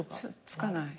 突かない。